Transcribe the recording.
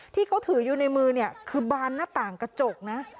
ที่เขาถืออยู่ในมือเนี่ยคือบานหน้าต่างกระจกนะ